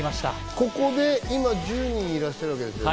ここで今、１０人いらっしゃるわけですね。